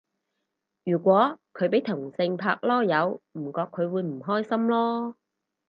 如果佢俾同性拍籮柚唔覺佢會開心囉